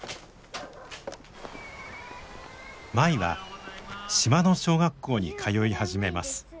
舞は島の小学校に通い始めます。